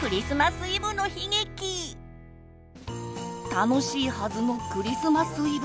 楽しいはずのクリスマスイブ。